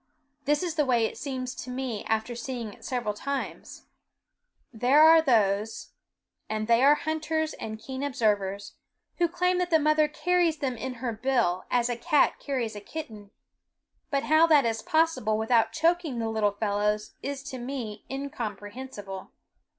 This is the way it seems to me after seeing it several times. There are those and they are hunters and keen observers who claim that the mother carries them in her bill, as a cat carries a kitten; but how that is possible without choking the little fellows is to me incomprehensible.